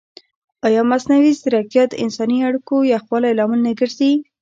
ایا مصنوعي ځیرکتیا د انساني اړیکو یخوالي لامل نه ګرځي؟